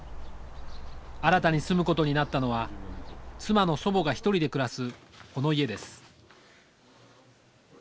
新たに住むことになったのは妻の祖母が一人で暮らすこの家です